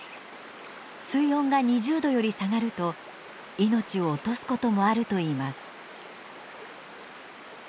水温が２０度より下がると命を落とすこともあるといいます。